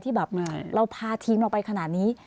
แบบเราพาทีมเราไปขนาดนี้